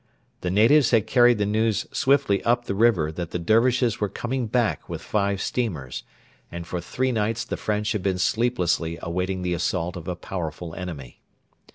The natives had carried the news swiftly up the river that the Dervishes were coming back with five steamers, and for three nights the French had been sleeplessly awaiting the assault of a powerful enemy.